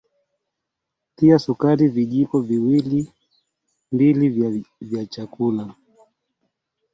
Tia sukari vijiko viwili mbili vya chakula